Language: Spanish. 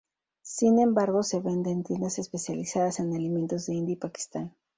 Sin embargo se vende en tiendas especializadas en alimentos de India y Pakistán.